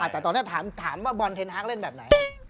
แต่ตอนนี้ถามว่าบอลเทนฮาร์กเล่นแบบไหน